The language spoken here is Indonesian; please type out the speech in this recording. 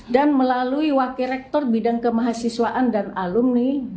dan melalui wakil rektor bidang kemahasiswaan dan alumni